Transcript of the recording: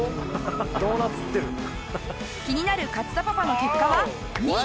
気になる勝田パパの結果は２位。